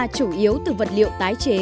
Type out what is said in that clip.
chủ yếu từ vật liệu tái chế